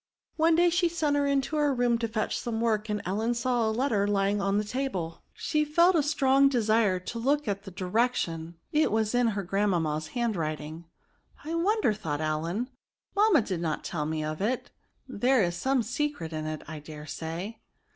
One day she sent her into her room to fetch some work, and Ellen saw a letter lying on the table. She felt a strong desire to look at the direc tion; it was in her grandmamma's hand writing. " I wonder," thought Ellen, mam ma did not tell me of it, there is some secret in it, I dare say."